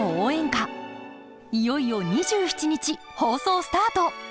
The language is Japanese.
いよいよ２７日放送スタート。